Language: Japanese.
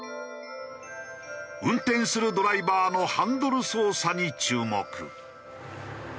運転するドライバーのハンドル操作に注目。